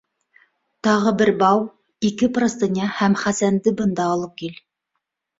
Тағы бер бау, ике простыня һәм Хәсәнде бында алып кил.